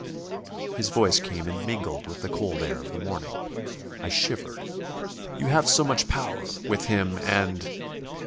His voice came in mingled with the cold air of the morning. I shivered. "You have so much power ... with him and...."